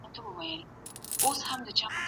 ایا تکړه پلورونکي بادام پروسس کوي؟